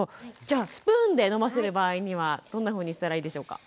じゃあスプーンで飲ませる場合にはどんなふうにしたらいいでしょうか。